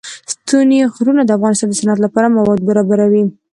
ستوني غرونه د افغانستان د صنعت لپاره مواد برابروي.